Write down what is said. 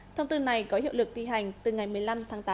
thông tư này có hiệu lực thi hành từ ngày một mươi năm tháng tám